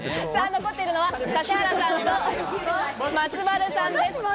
残っているのは指原さんと松丸さんです。